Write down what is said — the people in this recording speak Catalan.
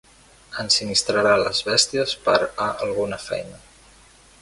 Ensinistrarà les bèsties per a alguna feina.